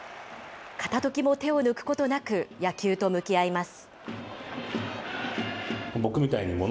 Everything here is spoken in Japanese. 片ときも手を抜くことなく、野球と向き合います。